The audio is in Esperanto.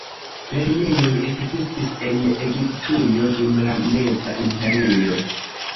Lernejoj ekzistis en Egiptujo dum la la Meza Imperio.